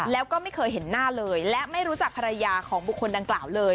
แล้วก็ไม่เคยเห็นหน้าเลยและไม่รู้จักภรรยาของบุคคลดังกล่าวเลย